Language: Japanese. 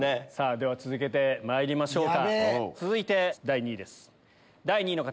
ではまいりましょうか。